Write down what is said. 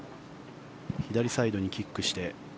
左サイドにキックして。